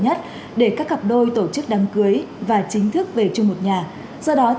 nhất là để các cặp đôi tổ chức đăng cưới và chính thức về chung một nhà do đó